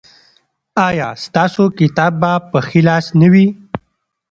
ایا ستاسو کتاب به په ښي لاس نه وي؟